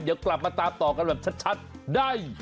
เดี๋ยวกลับมาตามต่อกันแบบชัดได้